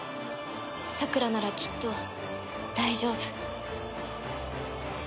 さくらならきっと大丈夫。